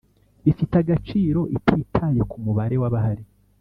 bifite agaciro ititaye ku mubare w abahari